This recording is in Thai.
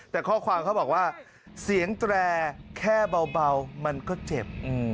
แต่ข้อความเขาบอกว่าเสียงแตรแค่เบามันก็เจ็บ